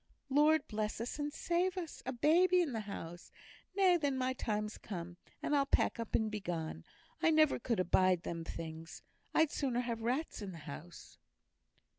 "Lord bless us and save us! a baby in the house! Nay, then my time's come, and I'll pack up and begone. I never could abide them things. I'd sooner have rats in the house."